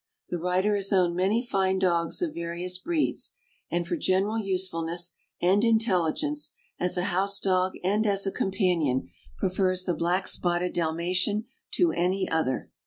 The writer has owned many fine dogs of various breeds, and for general usefulness and intelligence, as a house dog and as a companion, prefers the black spotted Dalmatian to any other.